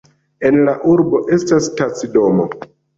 En la urbo estas stacidomo.